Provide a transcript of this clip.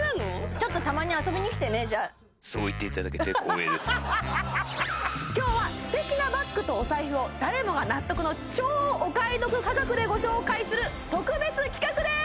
ちょっとたまに遊びに来てねじゃあ今日は素敵なバッグとお財布を誰もが納得の超お買い得価格でご紹介する特別企画です！